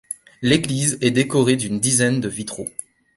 L'église est décorée d'une dizaine de vitraux.